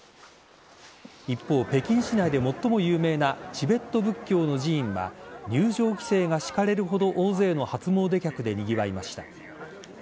一方、北京市内で最も有名なチベット仏教の寺院は入場規制が敷かれるほど大勢の初詣客でにぎわいました。